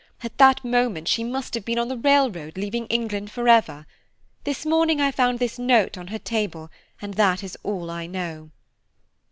At that moment she must have been on the railroad leaving England for ever. This morning I found this note on her table, and that is all I know."